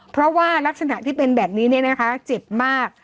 เพราะว่ารักษณะที่เป็นแบบนี้เนี่ยนะคะเจ็บมาก